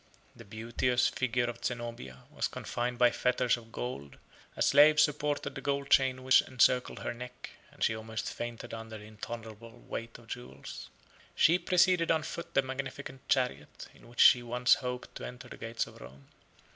The beauteous figure of Zenobia was confined by fetters of gold; a slave supported the gold chain which encircled her neck, and she almost fainted under the intolerable weight of jewels. She preceded on foot the magnificent chariot, in which she once hoped to enter the gates of Rome.